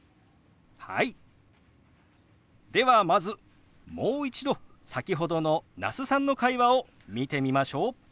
ではまずもう一度先ほどの那須さんの会話を見てみましょう。